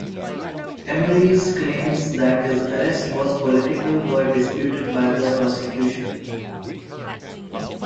Emery's claims that his arrest was political were disputed by the prosecution.